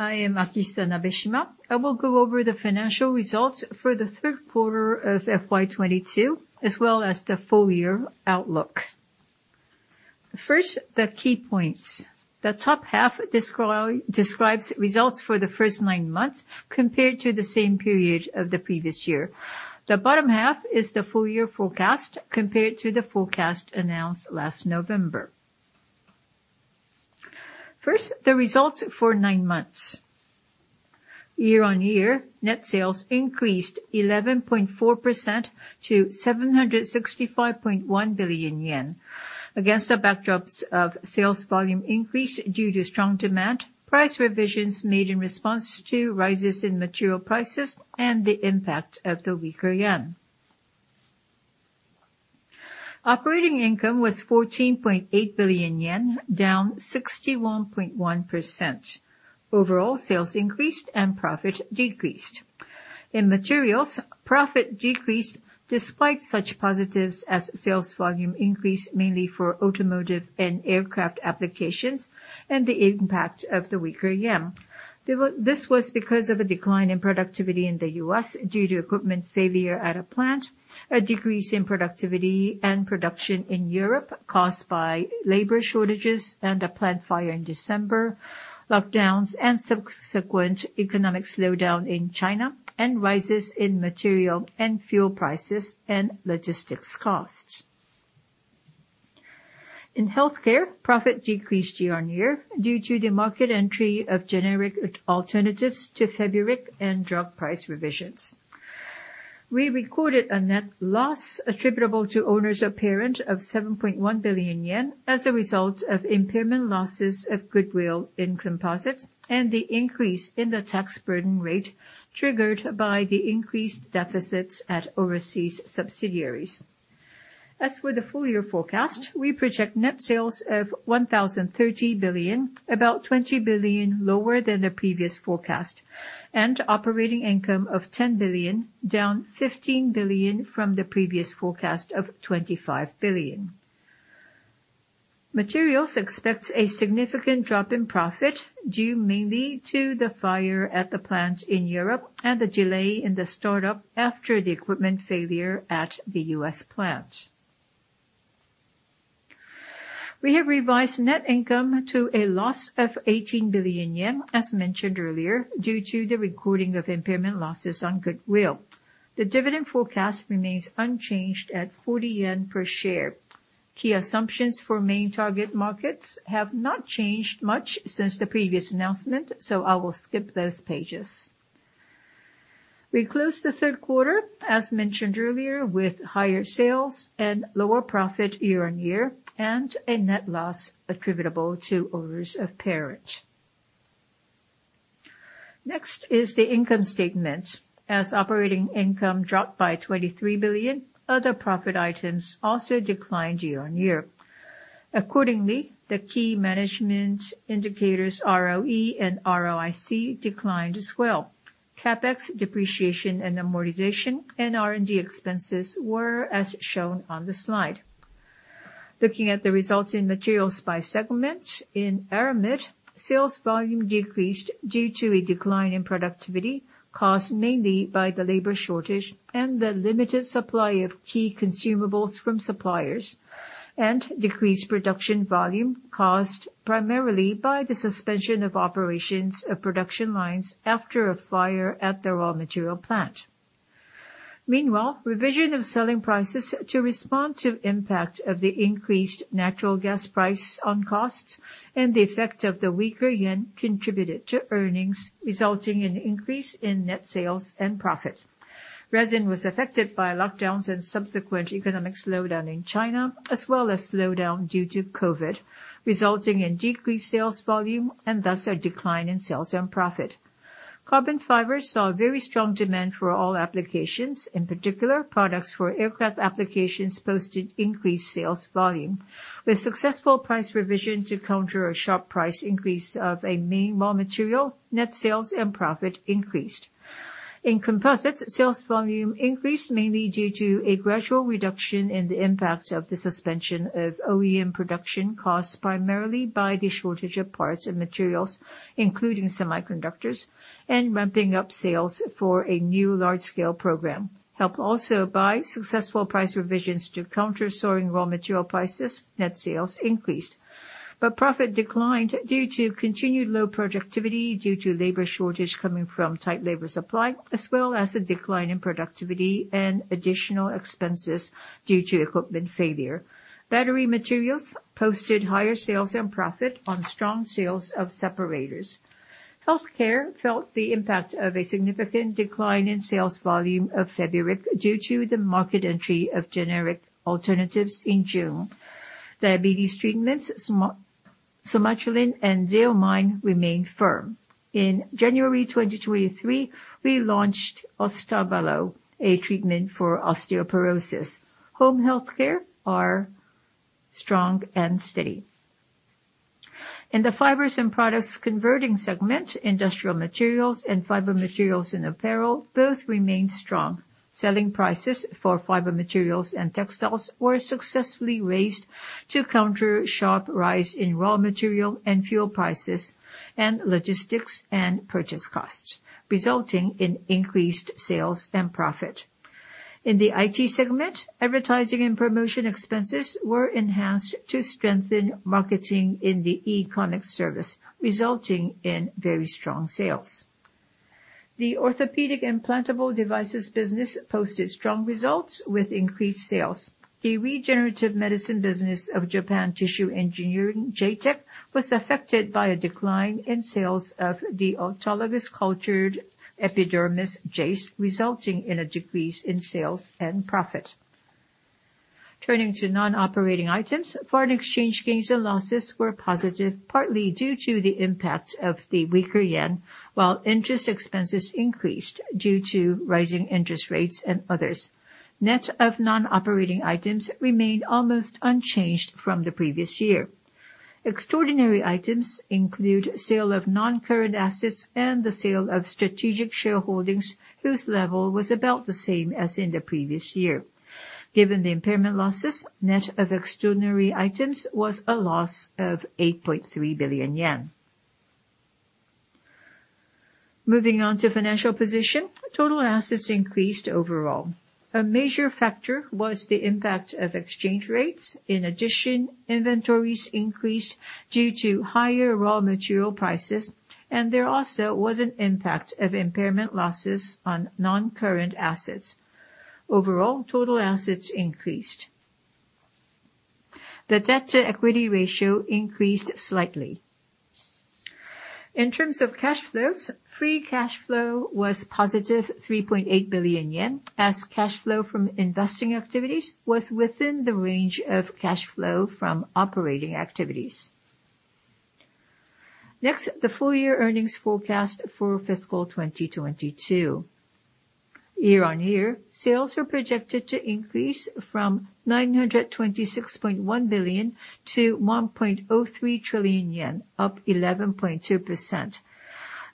I am Akihisa Nabeshima. I will go over the Financial Results For The Third Quarter of FY 2022, as well as the full year outlook. First, the key points. The top half describes results for the first nine months compared to the same period of the previous year. The bottom half is the full year forecast compared to the forecast announced last November. First, the results for nine months. Year-on-year, net sales increased 11.4% to 765.1 billion yen. Against the backdrops of sales volume increase due to strong demand, price revisions made in response to rises in material prices and the impact of the weaker yen. Operating income was 14.8 billion yen, down 61.1%. Overall, sales increased and profit decreased. In materials, profit decreased despite such positives as sales volume increase mainly for automotive and aircraft applications, and the impact of the weaker yen. This was because of a decline in productivity in the US due to equipment failure at a plant, a decrease in productivity and production in Europe caused by labor shortages and a plant fire in December, lockdowns and subsequent economic slowdown in China, and rises in material and fuel prices and logistics costs. In healthcare, profit decreased year-on-year due to the market entry of generic alternatives to Fabrazyme and drug price revisions. We recorded a net loss attributable to owners of parent of 7.1 billion yen as a result of impairment losses of goodwill in composites and the increase in the tax burden rate triggered by the increased deficits at overseas subsidiaries. As for the full year forecast, we project net sales of 1,030 billion, about 20 billion lower than the previous forecast, and operating income of 10 billion, down 15 billion from the previous forecast of 25 billion. Materials expects a significant drop in profit due mainly to the fire at the plant in Europe and the delay in the start-up after the equipment failure at the U.S. plant. We have revised net income to a loss of 18 billion yen, as mentioned earlier, due to the recording of impairment losses on goodwill. The dividend forecast remains unchanged at 40 yen per share. Key assumptions for main target markets have not changed much since the previous announcement, so I will skip those pages. We closed the third quarter, as mentioned earlier, with higher sales and lower profit year-over-year and a net loss attributable to owners of parent. Next is the income statement. As operating income dropped by JPY 23 billion, other profit items also declined year-on-year. Accordingly, the key management indicators ROE and ROIC declined as well. CapEx depreciation and amortization and R&D expenses were as shown on the slide. Looking at the results in materials by segment, in aramid, sales volume decreased due to a decline in productivity caused mainly by the labor shortage and the limited supply of key consumables from suppliers, and decreased production volume caused primarily by the suspension of operations of production lines after a fire at the raw material plant. Meanwhile, revision of selling prices to respond to impact of the increased natural gas price on costs and the effect of the weaker yen contributed to earnings, resulting in increase in net sales and profit. Resin was affected by lockdowns and subsequent economic slowdown in China, as well as slowdown due to COVID, resulting in decreased sales volume and thus a decline in sales and profit. Carbon fibers saw very strong demand for all applications. In particular, products for aircraft applications posted increased sales volume. With successful price revision to counter a sharp price increase of a main raw material, net sales and profit increased. In composites, sales volume increased mainly due to a gradual reduction in the impact of the suspension of OEM production, caused primarily by the shortage of parts and materials, including semiconductors and ramping up sales for a new large-scale program. Helped also by successful price revisions to counter soaring raw material prices, net sales increased. Profit declined due to continued low productivity due to labor shortage coming from tight labor supply, as well as a decline in productivity and additional expenses due to equipment failure. Battery materials posted higher sales and profit on strong sales of separators. Healthcare felt the impact of a significant decline in sales volume of Fabrazyme due to the market entry of generic alternatives in June. Diabetes treatments, Sogliaglian and Zafatek remained firm. In January 2023, we launched OSTABALO, a treatment for osteoporosis. Home healthcare are strong and steady. In the fibers and products converting segment, industrial materials and fiber materials and apparel both remained strong. Selling prices for fiber materials and textiles were successfully raised to counter sharp rise in raw material and fuel prices, and logistics and purchase costs, resulting in increased sales and profit. In the IT segment, advertising and promotion expenses were enhanced to strengthen marketing in the e-commerce service, resulting in very strong sales. The orthopedic implantable devices business posted strong results with increased sales. The regenerative medicine business of Japan Tissue Engineering, JTEC, was affected by a decline in sales of the autologous cultured epidermis, JACE, resulting in a decrease in sales and profit. Turning to non-operating items, foreign exchange gains and losses were positive, partly due to the impact of the weaker yen, while interest expenses increased due to rising interest rates and others. Net of non-operating items remained almost unchanged from the previous year. Extraordinary items include sale of non-current assets and the sale of strategic shareholdings, whose level was about the same as in the previous year. Given the impairment losses, net of extraordinary items was a loss of 8.3 billion yen. Moving on to financial position. Total assets increased overall. A major factor was the impact of exchange rates. In addition, inventories increased due to higher raw material prices, and there also was an impact of impairment losses on non-current assets. Overall, total assets increased. The debt-to-equity ratio increased slightly. In terms of cash flows, free cash flow was positive 3.8 billion yen, as cash flow from investing activities was within the range of cash flow from operating activities. Next, the full year earnings forecast for fiscal 2022. Year-on-year, sales are projected to increase from 926.1 billion to 1.03 trillion yen, up 11.2%.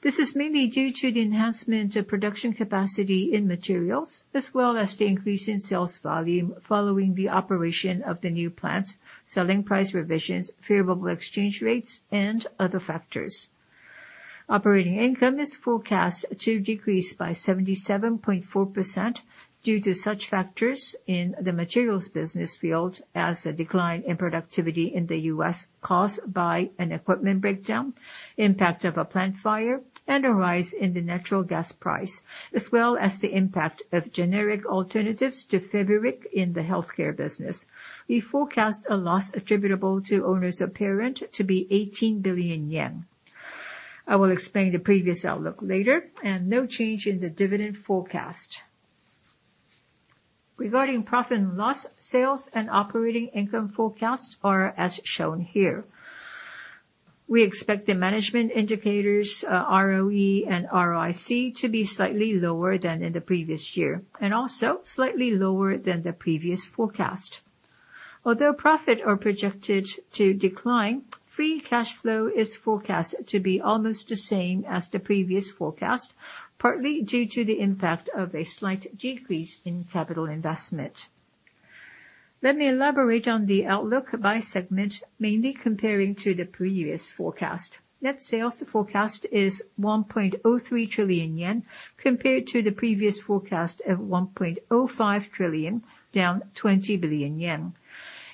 This is mainly due to the enhancement of production capacity in materials as well as the increase in sales volume following the operation of the new plant, selling price revisions, favorable exchange rates, and other factors. Operating income is forecast to decrease by 77.4% due to such factors in the materials business field as a decline in productivity in the U.S. caused by an equipment breakdown, impact of a plant fire, and a rise in the natural gas price, as well as the impact of generic alternatives to Fabrazyme in the healthcare business. We forecast a loss attributable to owners of parent to be 18 billion yen. I will explain the previous outlook later and no change in the dividend forecast. Regarding profit and loss, sales and operating income forecasts are as shown here. We expect the management indicators, ROE and ROIC to be slightly lower than in the previous year, and also slightly lower than the previous forecast. Although profit are projected to decline, free cash flow is forecast to be almost the same as the previous forecast, partly due to the impact of a slight decrease in capital investment. Let me elaborate on the outlook by segment, mainly comparing to the previous forecast. Net sales forecast is 1.03 trillion yen, compared to the previous forecast of 1.05 trillion, down 20 billion yen.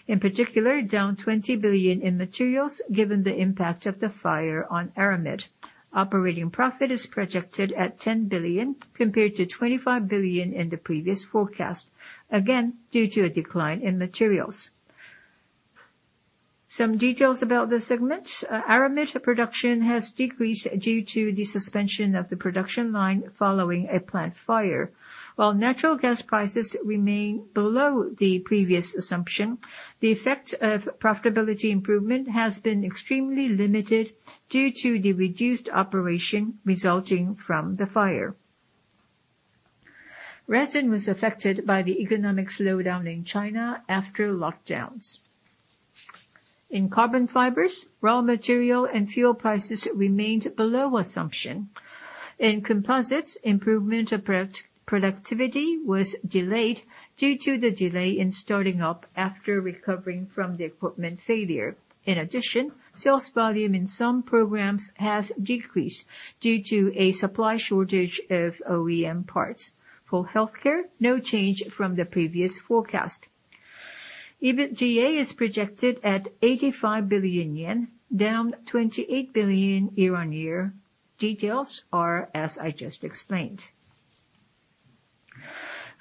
In particular, down 20 billion in materials given the impact of the fire on aramid. Operating profit is projected at JPY 10 billion, compared to JPY 25 billion in the previous forecast, again due to a decline in materials. Some details about the segment. Aramid production has decreased due to the suspension of the production line following a plant fire. While natural gas prices remain below the previous assumption, the effect of profitability improvement has been extremely limited due to the reduced operation resulting from the fire. Resin was affected by the economic slowdown in China after lockdowns. Carbon fibers, raw material and fuel prices remained below assumption. Composites, improvement of productivity was delayed due to the delay in starting up after recovering from the equipment failure. Sales volume in some programs has decreased due to a supply shortage of OEM parts. Healthcare, no change from the previous forecast. EBITDA is projected at 85 billion yen, down 28 billion year-on-year. Details are as I just explained.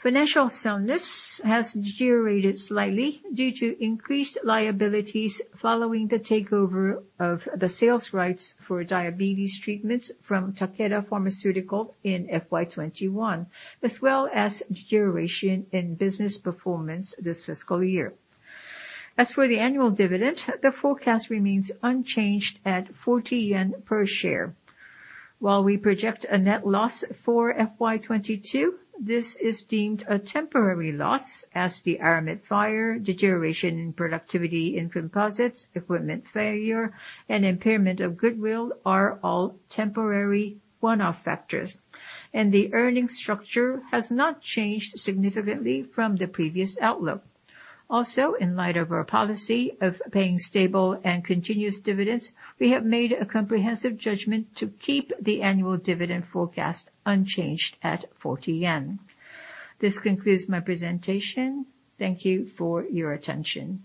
Financial soundness has deteriorated slightly due to increased liabilities following the takeover of the sales rights for diabetes treatments from Takeda Pharmaceutical in FY 2021, as well as deterioration in business performance this fiscal year. As for the annual dividend, the forecast remains unchanged at 40 yen per share. While we project a net loss for FY 2022, this is deemed a temporary loss as the aramid fiber, deterioration in productivity in composites, equipment failure, and impairment of goodwill are all temporary one-off factors. The earnings structure has not changed significantly from the previous outlook. In light of our policy of paying stable and continuous dividends, we have made a comprehensive judgment to keep the annual dividend forecast unchanged at 40 yen. This concludes my presentation. Thank you for your attention.